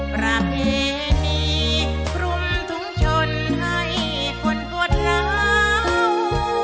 ประเภทนี้พรุ่งทุ่งชนให้คนกวดร้าว